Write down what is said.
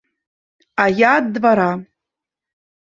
А я ад двара.